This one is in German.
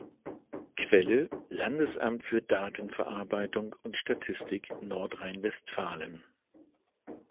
Quelle: Landesamt für Datenverarbeitung und Statistik Nordrhein-Westfalen